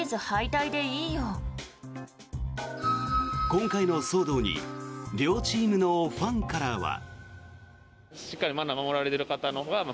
今回の騒動に両チームのファンからは。